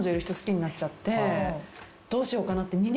どうしようかなって。